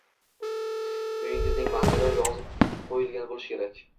uyingizning manzili yozib qo‘yilgan bo‘lishi kerak